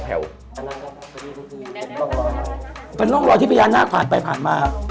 เป็นรอยพิญญาณอนาคารปรูดปุลปุ่นมา